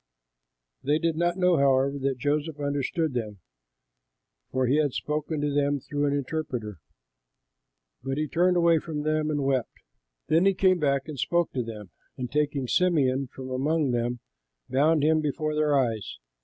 They did not know, however, that Joseph understood them, for he had spoken to them through an interpreter. But he turned away from them and wept. Then he came back and spoke to them, and taking Simeon from among them, bound him before their eyes.